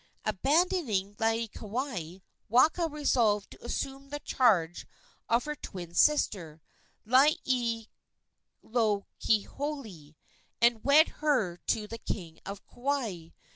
Abandoning Laieikawai, Waka resolved to assume the charge of her twin sister, Laielohelohe, and wed her to the king of Kauai.